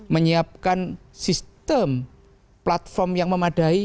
menyiapkan sistem platform yang memadai